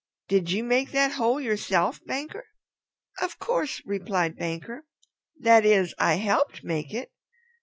Did you make that hole yourself, Banker?" "Of course," replied Banker. "That is, I helped make it.